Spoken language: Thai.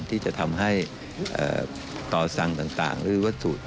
ที่จะทำให้ต่อสั่งต่างหรือวัตถุ